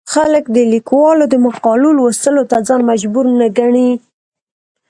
خلک د ليکوالو د مقالو لوستلو ته ځان مجبور نه ګڼي.